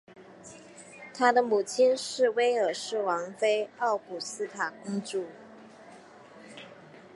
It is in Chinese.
他的母亲是威尔士王妃奥古斯塔公主。